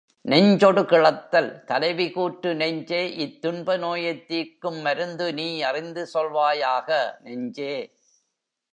நெஞ்சொடு கிளத்தல் தலைவி கூற்று நெஞ்சே இத் துன்பநோயைத் தீர்க்கும் மருந்து நீ அறிந்து சொல்வாயாக! நெஞ்சே!